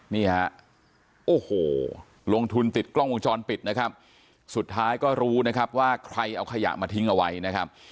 นี่ฮะโอ้โหลงทุนติดกล้องวงจรปิดนะครับสุดท้ายก็รู้นะครับว่าใครเอาขยะมาทิ้งเอาไว้นะครับ